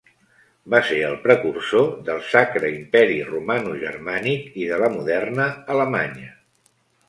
Va ser el precursor del Sacre Imperi Romanogermànic i de la moderna Alemanya.